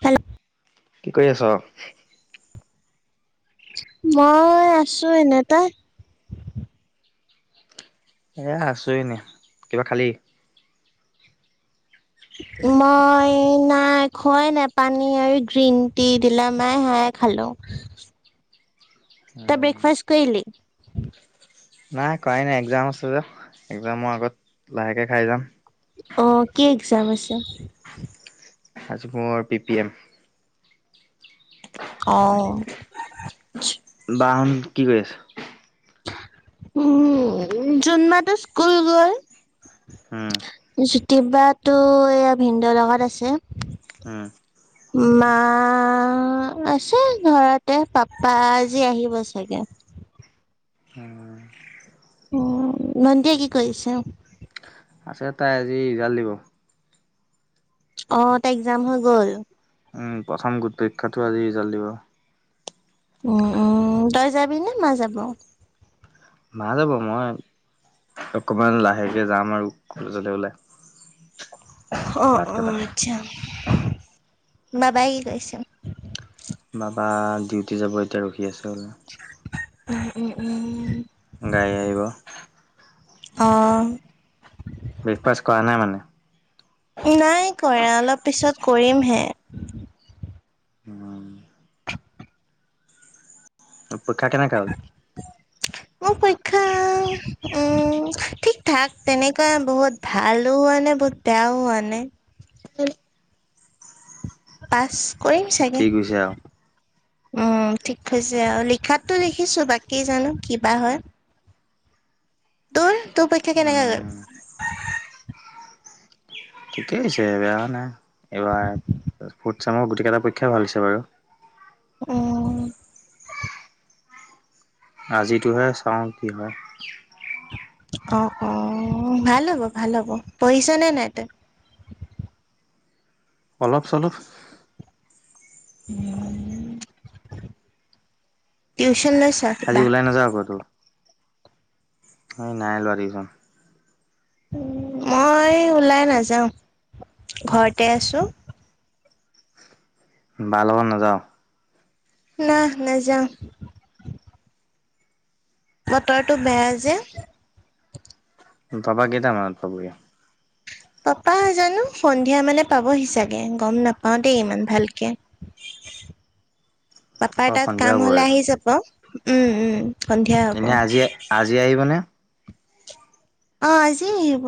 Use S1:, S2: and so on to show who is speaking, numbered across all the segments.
S1: Hello '
S2: কি কৰি আছ'?
S1: মই আছো এনে, তই?
S2: এয়া, আছোঁ এনে কিবা খালি?
S1: মই নাই, খোৱাই নাই পানী আৰু গ্ৰীণটি দিলে মাই হেয়া খালোঁ। হেল্ল'! তই ব্ৰেকফাষ্ট কৰিলি?
S2: নাই কাৰাই নাই এক্সাম আছে যে। এক্সামৰ আগত লাহেকে খাই যাম।
S1: অঁ, কি এক্সাম আছে?
S2: আজি মোৰ পি পি এম।
S1: অঁ।
S2: বা হঁত কি কৰি আছে?
S1: উম জোনবাটো স্কুল গ'ল।
S2: হোঁ
S1: জ্যোতিবাটো, এইয়া ভিনদৌৰ লগত আছে।
S2: ওঁ
S1: মা অঁ, মা আছে ঘৰতে, পাপা আজি আহিব চাগে।
S2: উম
S1: ওঁ নন্দীয়ে কি কৰিছে?
S2: আছে। তাইৰ আজি ৰিজাল্ট দিব।
S1: অঁ তাইৰ এক্সাম হৈ গ'ল।
S2: ওঁ প্ৰথম গোট পৰীক্ষাটোৰ আজি ৰিজাল্ট দিব।
S1: অঁ, অঁ তই যাবি নে মা যাব?
S2: মা যাব। মই অকমান লাহেকে যাম আৰু কলেজলৈ ওলাই।
S1: অঁ,
S2: ভাত কেইটা খাম।
S1: অঁ--আচ্ছা। বাবাই কি কৰিছে?
S2: বাবা ডিউটি যাব এতিয়া, ৰখি আছে কাৰোবালে।
S1: [inaudible]
S2: গাড়ী আহিব।
S1: অঁ--হ
S2: ব্ৰেকফাষ্ট কৰানাই মানে?
S1: নাই কৰা। অলপ পিছত কৰিমহে।
S2: পৰীক্ষা কেনেকা হ'ল?
S1: মো-পৰীক্ষা ওঁ ঠিক্‌ থাক, তেনেকুৱা বহুত ভালো হোৱা নাই, বহুত বেয়াও হোৱা নাই। পাছ্‌
S2: ঠিক্‌ হৈছে আও?
S1: উম, ঠিক্‌ হৈছে আও। লিখাটো লিখিছোঁ বাকি জানো কিবা হ'য়। তোৰ পৰীক্ষা কেনেকা গল
S2: উম ঠিকেই হৈছে বেয়া হোৱা নাই এইবাৰ ফুড চামৰ গোটেইকেইটা পৰীক্ষাই ভাল হৈছে বাৰু
S1: অ
S2: আজিটোহে চাওঁ কি হয়
S1: অ অ ভাল হ'ব ভাল হ'ব পঢ়িছ নে নাই ত
S2: অলপ চলপ।
S1: কি পছ
S2: আজি
S1: বা
S2: ওলাই স নাই লোৱা দেই মই
S1: মই ওলাই নাযাওঁ ঘৰতে আছো।
S2: বাৰ লগত নাযাঅ
S1: ন নাযাওঁ বতৰটো বেয়া যে
S2: ববা কেইটা মানত পাবহি
S1: পাপা জানো সন্ধিয়া মানে পাবহি চাগে গম নাপাওঁ দেই ইমান ভালকে
S2: [unintelligible]
S1: পাপাৰ তাত
S2: সন্ধিয়া
S1: কাম হলে
S2: হ'বগে
S1: আহি যাব উম উম সন্ধিয়া হব
S2: এনে আজি আজি আহিবনে
S1: অ আজিয়ে আহিব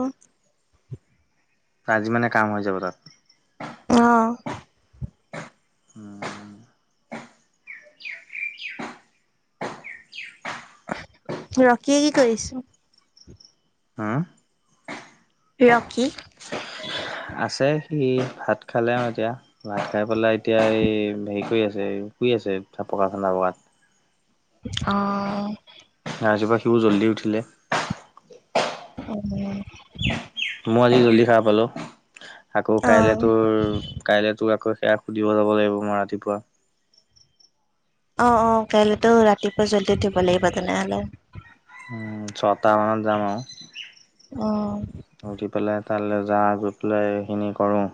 S2: আজি মানে কাম হৈ যাব তাত
S1: আহ
S2: উম উম
S1: ৰখিয়ে কি কৰিছে
S2: হা
S1: ৰকী
S2: আছে সি ভাত খালে আৰু এতিয়া ভাত খাই পেলাই এতিয়া এই হেৰি কৰি আছে এই শুই আছে ঠাপকাখানা বগাত
S1: অ
S2: ৰাতিপুৱা সিও জল্দি উঠিলে
S1: অ
S2: ম আজি জল্দি খাৰ পালোঁ আকৌ
S1: অ
S2: কাইলৈ তোৰ কাইলৈ তোৰ আকৌ সেয়া সুধিব যাব লাগিব মই ৰাতিপুৱা
S1: অ অ কাইলেতো ৰাতিপুৱা জলদি উঠিব লাগিব তেনেহলে।
S2: উম ছটাহ মানত যাম আৰু
S1: আহ
S2: উঠি পেলাই তালৈ যা গৈ পেলাই এইখিনি কৰোঁ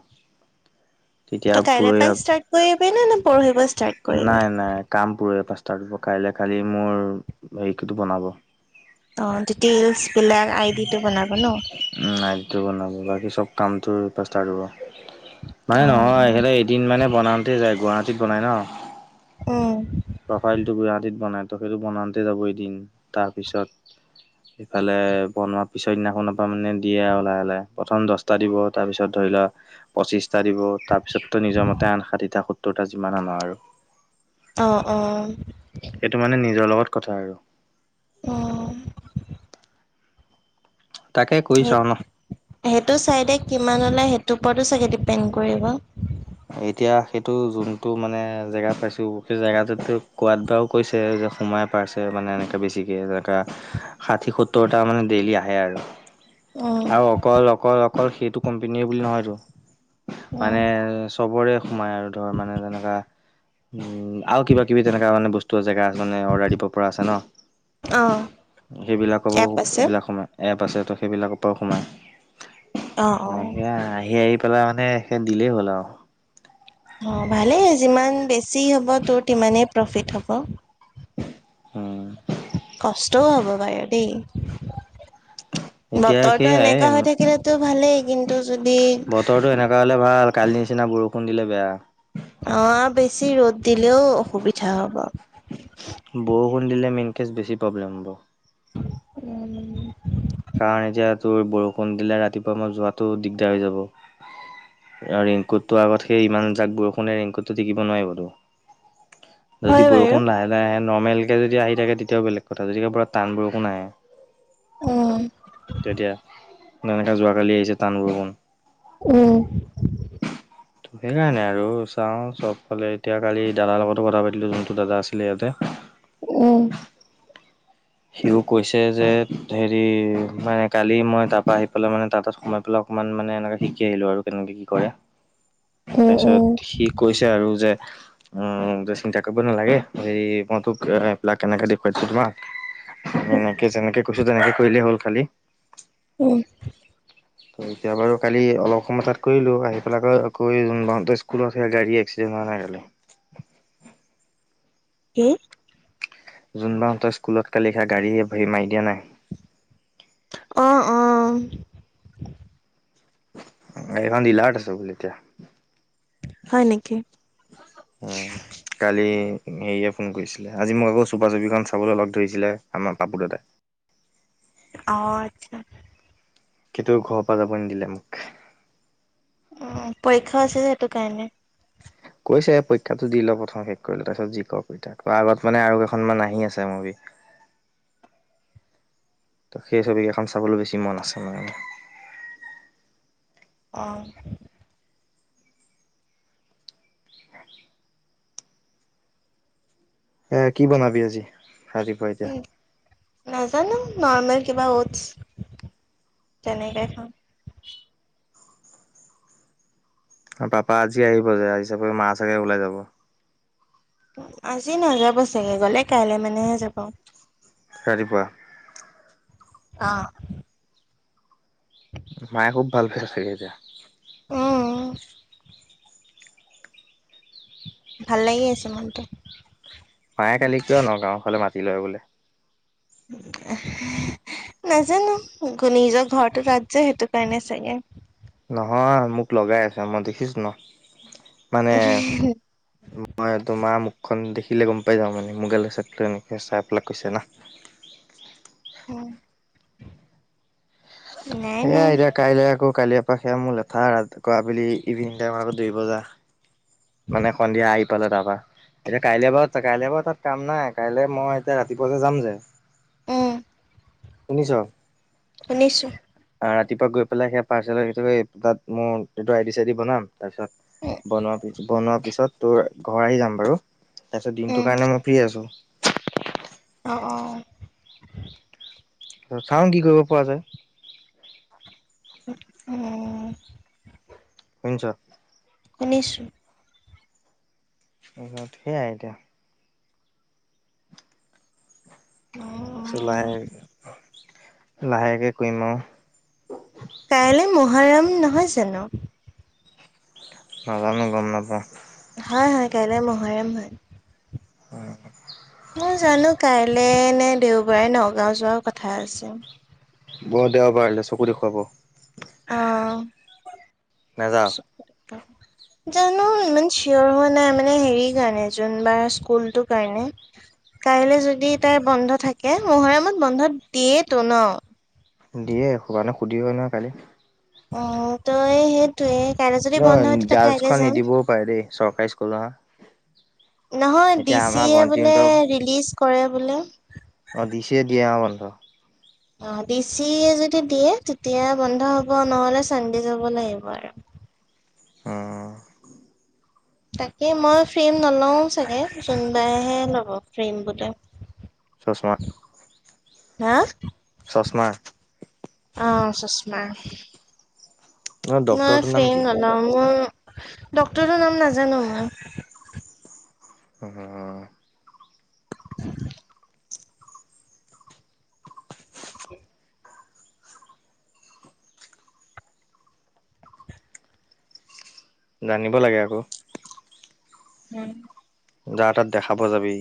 S2: তেতিয়া
S1: তই কাইলৈ
S2: পৰহি
S1: পাই ষ্টাৰ্ট কৰিবি নে কৰিবি নে পৰখি পৰা? ষ্টাৰ্ট কৰিবি
S2: নাই নাই। কাম পৰহি পা তাৰ কাইলৈ কালি মোৰ হেৰিটো বনাব।
S1: অ ডিটেইলছ বিলাক আই ডি টো বনাব ন
S2: উ নাইটটো বনাব বাকী চব কামটোৰ পৰা ষ্টাৰ্ট হ'ব।
S1: অ
S2: মানে নহয় সিহঁতৰ এদিন মানে বনাওঁতে যায়, গুৱাহাটীত বনায় ন?
S1: উম
S2: প্ৰফাইলটো গুৱাহাটীত বনাইতো, সেইটো বনাওঁতে যাব এদিন। তাৰপিছত সেইফালে বনোৱাত পিছৰ দিনাখনৰ পৰা মানে দিয়ে ওলায় ওলায়। প্ৰথম দশটা দিব, তাৰপিছত ধৰি লোৱা পঁচিশটা দিব। তাৰপিছত তোৰ নিজৰ মতে আন ষাঠিটা, সত্তৰটা যিমান আন আৰু!
S1: অ' অ'।
S2: সেইটো মানে নিজৰ লগত কথা আৰু।
S1: অ'।
S2: তাকে কৰি চাওঁ ন
S1: সেইটো চাইডে কিমান ওলায় সেইটোৰ ওপৰতো চাগে ডিপেণ্ড কৰিব।
S2: এতিয়া সেইটো যোনটো মানে জেগা পাইছো, সেই জেগাটোত কোৱাত বাও কৈছে। সোমাই পাৰছে মানে এনেকে বেছিকে যেনেকা, ষাঠি-সত্তৰটা মানে ডেইলি আহে আৰু।
S1: উম,
S2: আৰু অকল, অকল, অকল সেইটো কোম্পেনীৰে বুলি নহয়তো।
S1: উম,
S2: মানে চবৰে সোমাই আৰু ধৰ মানে তেনেকুৱা। উম আৰু কিবাকিবি তেনেকা মানে বস্তু জেগা আছে। অৰ্ডাৰ দিব পৰা আছে ন!
S1: অ',
S2: সেইবিলাককো
S1: এপ আছে।
S2: [unintelligible] আছেটো, সেইবিলাকৰ পৰাও সোমায়।
S1: অ', অ',
S2: সেইয়া আহি আহি পেলাই মানে সেই দিলেই হ'ল আৰু।
S1: অ' ভালেই যিমান বেছি হ'ব, তোৰ তিমানেই প্ৰফিট হ'ব।
S2: উম।
S1: কষ্টও হ'ব বাৰু দেই।
S2: এতিয়া
S1: বতৰটো
S2: সেয়াই
S1: এনেকুৱা হৈ থাকিলেতো ভালেই, কিন্তু যদি।
S2: বতৰটো এনেকুৱা হলে ভাল কালি নিচিনা বৰষুণ দিলে বেয়া।
S1: অ' বেছি ৰ'দ দিলেও অসুবিধা হ'ব।
S2: বৰষুণ দিলে মেইনকেচ বেছি প্ৰব্লেম হ'ব।
S1: উম।
S2: কাৰণ এতিয়া তোৰ বৰষুণ দিলে ৰাতিপুৱা মই যোৱাতটো দিগদাৰ হৈ যাব। ৰেইনকোটটো আগত সেই ইমানজাক বৰষুণে ৰেইনকোটটো টিকিব নোৱাৰিতো। যদি
S1: হয় বাৰু
S2: বৰষুণ লাহে লাহে আহে নৰ্মেলকৈ যদি আহি থাকে, তেতিয়াও বেলেগ কথা। যদিকে পুৰা টান বৰষুণ আহে
S1: উম,
S2: তেনেকা যোৱাকালি আহিছে টানবৰষুণ।
S1: উম।
S2: ত সেইকাৰণে আৰু। চাও চবফালে এতিয়া কালি দাদাৰ লগতো কথা পাতিলো, যোনটো দাদা আছিলে ইয়াতে।
S1: উম।
S2: সিও কৈছে যে, হেৰি মানে কালি মই তাৰপৰা আহি পেলাই মানে তাৰ তাত সোমাই পেলাই। অকমান মানে এনেকে শিকি আহিলো আৰু, কেনেকে কি কৰে?
S1: উম,
S2: তাৰপিছত
S1: উম,
S2: সি কৈছে আৰু যে। উ তই চিন্তা কৰিব নালাগে। হেৰি মই তোক এই পিলাক কেনেকে দেখুৱাই দিছো তোমাক। এনেকে যেনেকে কৈছো তেনেকে কৰিলেই হ'ল খালি।
S1: উম।
S2: ত এতিয়া বাৰু কালি অলপ সময় তাত কৰিলো, আহি পেলাই এ আকৌ যোনবতে স্কুলত আ গাড়ী এক্সিডেণ্ট [unintelligible]
S1: হুম?
S2: যোনবাহঁতৰ স্কুলত কালি খা গাড়ী মাৰি দিয়া নাই!
S1: অ' অ'।
S2: গাড়ীখন ডীলাৰত আছে বোলে এতিয়া।
S1: হয় নেকি?
S2: উ কালি। সেয়ে ফোন কৰিছিলে আজি মোক আকৌ চুপা চুপিখন চাবলৈ লগ ধৰিছিলে আমাৰ কাপোৰতে। [unintelligible]
S1: অ আচ্ছা।
S2: কিন্তয়া ঘৰৰ পৰা যাব নিদিলে মোক।
S1: উ পৰীক্ষাও আছে সেইটো কাৰণে।
S2: কৈছে পৰীক্ষাতো দি ল প্ৰথম শেষ কৰিল তাৰপিছ যি কতা আগত মানে আৰু কেইখনমান আহি আছে মোৰ। [unintelligible] ত সেই ছবি কেইখন চাবলৈ বেছি মন আছে মে।
S1: অহ।
S2: এ কি বনাবি আজি। ৰাতিপুৱা এতিয়া?
S1: নাজানো নৰ্মেল। কিবা অটছ তেনেকে খাওঁ।
S2: পাপা আজি আহিব যে আহিছোপ মা চাগে ওলাই যাব।
S1: আজি নযাব চাগে গলে কাইলে মানেহে যাব।
S2: ৰাতিপুৱা।
S1: অ।
S2: মায়ে খুব ভাল পাইছে চাগে এতিয়া।
S1: উম। ভাল লাগি আছে মনটো।
S2: মায়ে কালি কিয় নগাঁৱৰ ফালে মাতি লয় বোলে।
S1: [unintelligible] নাজানো নিজৰ ঘৰটো তাত যে সেইটো কাৰণে চাগে।
S2: নহয় মোক লগাই আছে মই দেখিছো ন? মানে মই তোমাৰ মুখখন দেখি। লে গম পাই যাওঁ মানে মগাল হচাকটো এনেকৈ চাই পেলাক কৈছে না,
S1: নাই
S2: সেয়া
S1: নাই
S2: এতিয়া কাইলৈ আকৌ। কালিৰ পৰা সেয়া মোৰ লেঠা কৰা বুলি ইভিনিং টাইমৰ আকৌ দৌৰিব যা। মানে সন্ধিয়া আহি পালে তাৰপা এতিয়া কাইলে বাৰু কাইলে বাৰু তাত কাম নাই কাইলৈ মই এতিয়া ৰাতিপুৱা যে যাম যে
S1: উম।
S2: শুনিছ?
S1: শুনিছোঁ,
S2: ৰাতিপুৱা গৈ পেলাই সেই পাৰ্চেল থৈ তাত মোৰ এইটো আই ডি চাইডি বনাম। তাৰ
S1: উম,
S2: পিছত বনোৱা বনোৱাৰ পিছত তোৰ ঘৰ আহি যাম বাৰু তাৰ পিছত দিনটোৰ
S1: উম,
S2: কাৰণে মই ফ্ৰি আছো।
S1: অ অ।
S2: চাও কি কৰিব পৰা যায়।
S1: অ।
S2: শুনিছ?
S1: শুনিছোঁ।
S2: সেইয়াই এতিয়া। তাৰপিছত
S1: উম,
S2: লাহে লাহেকে কম আৰু।
S1: কাইলৈ মহাৰাম নহয় জানো?
S2: নাজানো গম নাপাও।
S1: হয় হয় কাইলৈ মহাৰম হয়।
S2: হয়, হয়।
S1: এনে দেওবাৰে নগাঁও যোৱাৰ কথা আছে।
S2: ব দেওবাৰলে চকু দেখুৱাব।
S1: অ।
S2: নাযাওঁ।
S1: জানো ইমান চিয়ৰ হোৱা নাই মানে হেৰি কাৰণে যোনবা স্কুলটোৰ কাৰণে কাইলৈ যদি তাৰ বন্ধ থাকে মহৰমত বন্ধ দিয়েই তো ন
S2: দিয়েবানে সুধি হয় নহয় কালি
S1: অ ত এই সেইটোয়ে কাইলৈ যদি বন্ধ
S2: ন
S1: হয় তেতিয়া কাইলে
S2: গাৰ্লচখন
S1: যাম।
S2: নিদিবও পাৰে দেই চৰকাৰী স্কুলৰ হ
S1: নহয় ডিচিয়ে বোলে ৰিলিজ কৰে বোলে
S2: অ ডিচিয়ে দিয়ে বন্ধ
S1: অ ডিচিয়ে‌ যদি দিয়ে তেতিয়া বন্ধ হ'ব নহ'লে চানডে যাব লাগিব আৰু
S2: আহ
S1: তাকে মই ফ্ৰেম নলওঁ চাগে যোনবাইহে ল'ব ফ্ৰেম গোটা
S2: চচমা
S1: হা
S2: চশমা
S1: অ চচমা
S2: ন
S1: মই
S2: ডক্তৰটোৰ
S1: ফ্ৰে
S2: নাম কি
S1: হল মই ডক্তৰৰ নাম নাজানো মই
S2: হম
S1: অ
S2: জানিব লাগে আকৌ
S1: উম
S2: যাৰ তাত দেখাব যাবি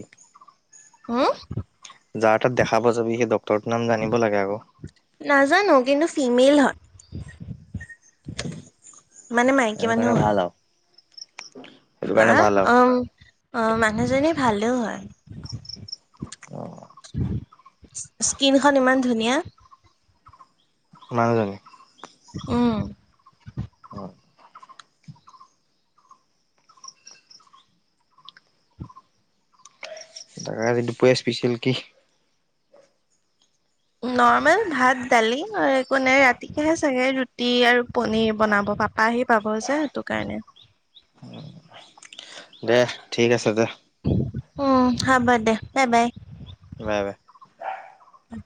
S1: হ
S2: যাৰ তাত দেখা প যাবি সেই ডক্টৰটোৰ নাম জানিব লাগে আকৌ
S1: নাজানো কিন্তু ফিমেইল হয় মানে মাইকী
S2: সেইটো কাৰণে
S1: মানুহ
S2: ভাল আৰু সেইটো
S1: হা
S2: কাৰণে ভাল আৰু
S1: উ আহ মানুহজনী ভালেও হয়
S2: অ
S1: স্কীণখন ইমান ধুনীয়া
S2: মানাজানে
S1: উম
S2: হয় ত আজি দুপৰীয়া স্পেচিয়েল কি
S1: নৰ্মেল ভাত দালি আৰু একো নাই ৰাতিকেহে চাগে ৰুটি আৰু পনিৰ বনাব পাপাহ আহি পাব যে সেইটো কাৰণে
S2: উ দে ঠিক আছে দে
S1: উম হ'ব দে বাই বাই
S2: বাই বাই
S1: উ